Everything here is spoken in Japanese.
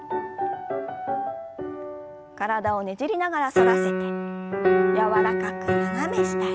体をねじりながら反らせて柔らかく斜め下へ。